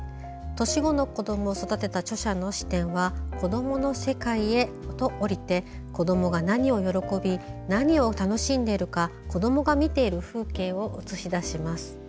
年子の子どもを育てた著者の視点は子どもの世界へと降りて子どもが何を喜び何を楽しんでいるのか子どもが見ている風景を映し出します。